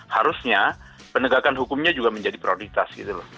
harusnya penegakan hukumnya juga menjadi prioritas